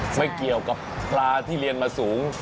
ไม่เกี่ยวกับปลาที่เรียนมาสูง